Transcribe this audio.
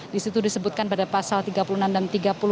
di situ disebutkan pada pasal tiga puluh enam dan tiga puluh